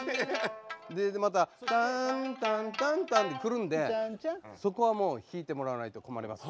またターンタンタンタンってくるんでそこはもう弾いてもらわないと困ります。